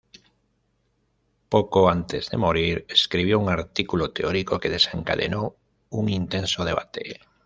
Poco antes de morir, escribió un artículo teórico que desencadenó un intenso debate.